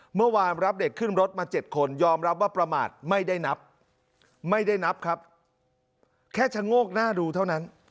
รับเด็กขึ้นรถมา๗คนยอมรับว่าประมาทไม่ได้นับไม่ได้นับครับแค่ชะโงกหน้าดูเท่านั้น